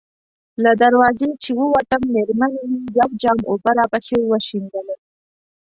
له دروازې چې ووتم، مېرمنې مې یو جام اوبه راپسې وشیندلې.